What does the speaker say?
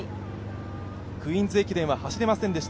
クイーンズ駅伝は走れませんでした。